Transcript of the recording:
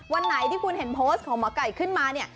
วันไหนที่คุณเห็นโพสต์ของหมอไก่ขึ้นมาเนี่ย